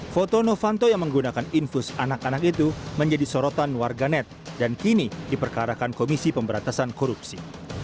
foto novanto yang menggunakan infus anak anak itu menjadi sorotan warganet dan kini diperkarakan komisi pemberantasan korupsi